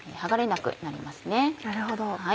なるほど。